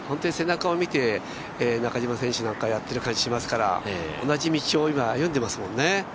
背中を見て中島選手なんかはやっている気がしますから同じ道を今、歩んでますもんね。